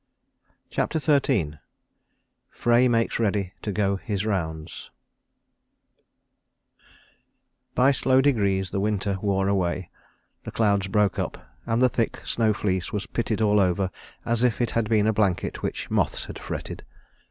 CHAPTER XIII FREY MAKES READY TO GO HIS ROUNDS By slow degrees the winter wore away; the clouds broke up, and the thick snow fleece was pitted all over as if it had been a blanket which moths had fretted.